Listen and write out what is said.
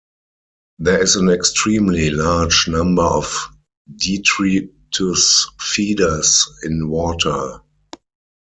There is an extremely large number of detritus feeders in water.